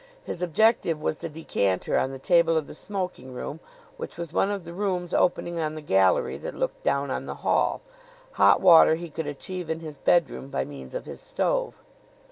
His objective was the decanter on the table of the smoking room, which was one of the rooms opening on the gallery that looked down on the hall. Hot water he could achieve in his bedroom by means of his stove.